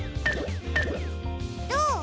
どう？